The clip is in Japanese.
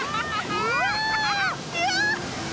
うわ！